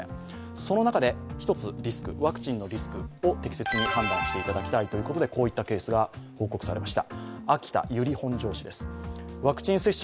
その中で１つワクチンのリスクを適切に判断していただきたいということでこういったケースが報告されました。